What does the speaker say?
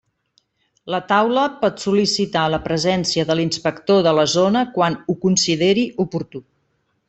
La Taula pot sol·licitar la presència de l'inspector de la zona, quan ho consideri oportú.